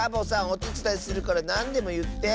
おてつだいするからなんでもいって。